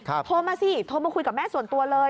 โทรมาสิโทรมาคุยกับแม่ส่วนตัวเลย